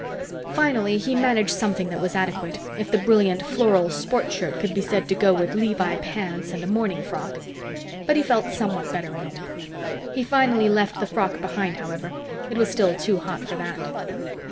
Finally, he managed something that was adequate, if the brilliant floral sportshirt could be said to go with levi pants and a morning frock. But he felt somewhat better in it. He finally left the frock behind, however. It was still too hot for that.